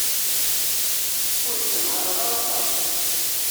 Ur ttenhaṛeɣ ara aṭas.